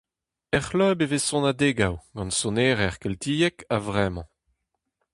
Er c'hleub e vez sonadegoù, gant sonerezh keltiek a vremañ.